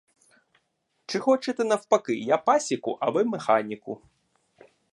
Чи хочете навпаки: я пасіку, а ви механіку?